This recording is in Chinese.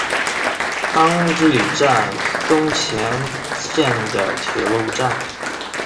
汤之里站松前线的铁路站。